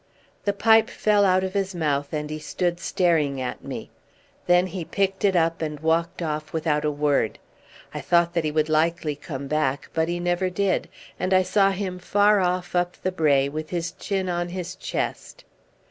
The pipe fell out of his mouth, and he stood staring at me. Then he picked it up and walked off without a word. I thought that he would likely come back, but he never did; and I saw him far off up the brae, with his chin on his chest.